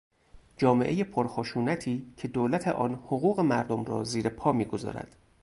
جامعهی پرخشونتی که دولت آن حقوق مردم را زیر پا میگذارد